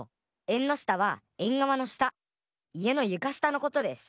えんのしたはえんがわのしたいえのゆかしたのことです！